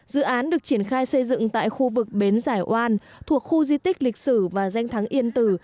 dự án được triển khai xây dựng tại khu vực bến giải oan thuộc khu di tích lịch sử và danh thắng yên tử